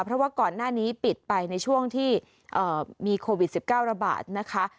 เพราะว่าก่อนหน้านี้ปิดไปในช่วงที่มีโควิด๑๙ระบาดนะคะ